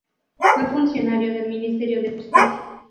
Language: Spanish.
Fue funcionario del Ministerio de Justicia.